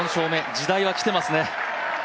時代は来てますね。